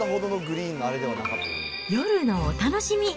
夜のお楽しみ。